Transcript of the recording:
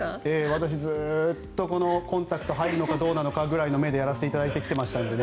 私、ずっとコンタクトが入るのかどうなのかくらいの目でやらせていただいてきていましたのでね